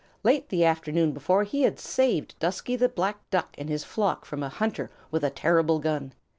Late the afternoon before he had saved Dusky the Black Duck and his flock from a hunter with a terrible gun.